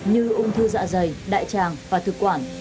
như ung thư dạ dày đại tràng và thực quản